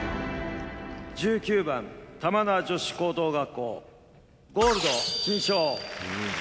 １９番玉名女子高等学校、ゴールド金賞。